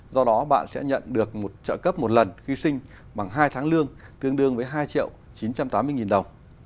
do đó bạn sẽ nhận được một trợ cấp một lần khi sinh bằng hai tháng lương tương đương với hai triệu chín trăm tám mươi đồng